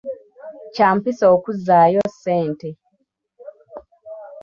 Kya mpisa okuzzaayo ssente